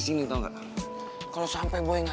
semoga gak terjadi apa apa sama boy sama eva